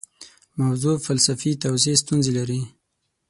موضوع فلسفي توضیح ستونزې لري.